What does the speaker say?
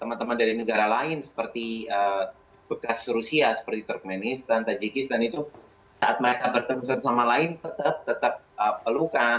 teman teman dari negara lain seperti bekas rusia seperti turkmenistan tajikis dan itu saat mereka bertemu satu sama lain tetap pelukan